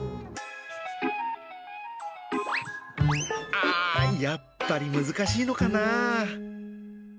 あー、やっぱり難しいのかな。